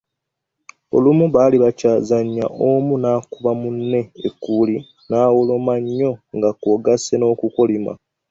Olumu baali bakyazannya omu naakuba munne ekkuuli nawoloma nnyo nga kwogasse n’okukolima.